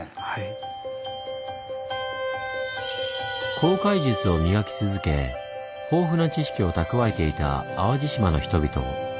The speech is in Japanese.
航海術を磨き続け豊富な知識を蓄えていた淡路島の人々。